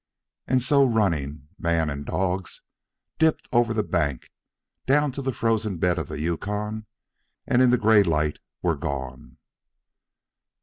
And so, running, man and dogs dipped over the bank and down to the frozen bed of the Yukon, and in the gray light were gone.